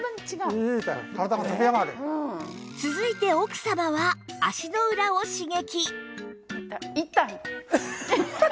続いて奥様は足の裏を刺激